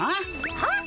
はっ？